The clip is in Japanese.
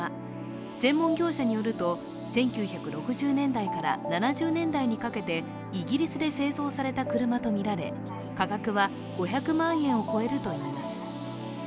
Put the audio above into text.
専門業者によると、１９６０年代から７０年代にかけてイギリスで製造された車とみられ、価格は５００万円を超えるといいます